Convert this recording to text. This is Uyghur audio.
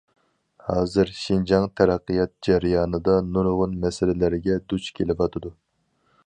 ھازىر، شىنجاڭ تەرەققىيات جەريانىدا نۇرغۇن مەسىلىلەرگە دۇچ كېلىۋاتىدۇ.